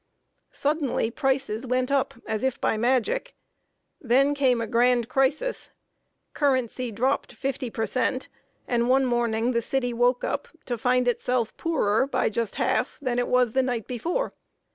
Suddenly prices went up, as if by magic. Then came a grand crisis. Currency dropped fifty per cent., and one morning the city woke up to find itself poorer by just half than it was the night before.